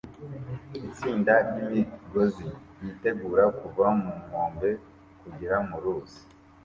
Itsinda ry'imigozi yitegura kuva mu nkombe kugera mu ruzi